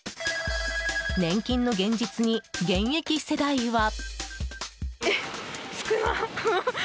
年金の現実に現役世代は。